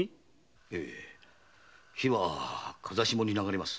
ええ火は風下に流れます。